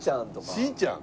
しーちゃん！？